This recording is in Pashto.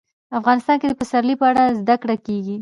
افغانستان کې د پسرلی په اړه زده کړه کېږي.